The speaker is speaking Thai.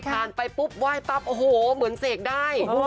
ไปปุ๊บไหว้ปั๊บโอ้โหเหมือนเสกได้